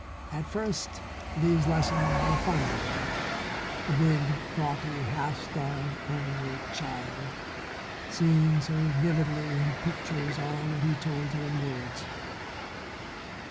At first these lessons were fun for him; the big, gawky, half starved, overworked child seeing so vividly in pictures all that he told her in words.